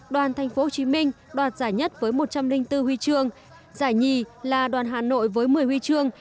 đoàn tp hcm đoạt giải nhất với một trăm linh bốn huy chương giải nhì là đoàn hà nội với một mươi huy chương